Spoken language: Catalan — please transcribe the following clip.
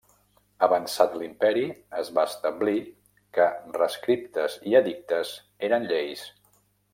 Avançat l'imperi es va establir que rescriptes i edictes eren lleis.